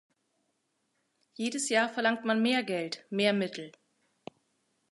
Jedes Jahr verlangt man mehr Geld, mehr Mittel.